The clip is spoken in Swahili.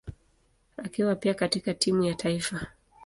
akiwa pia katika timu ya taifa.